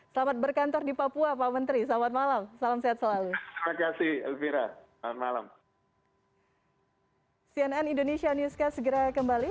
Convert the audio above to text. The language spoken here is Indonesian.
selamat berkantor di papua pak menteri selamat malam salam sehat selalu